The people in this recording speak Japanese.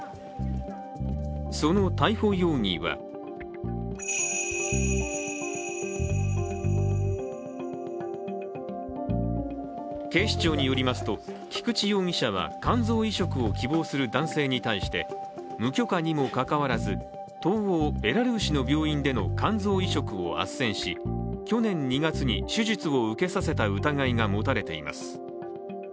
その逮捕容疑は警視庁によりますと、菊池容疑者は肝臓移植を希望する男性に対して無許可にもかかわらず東欧ベラルーシの病院での肝臓移植をあっせんし、去年２月に手術を受けさせた疑いが持たれています。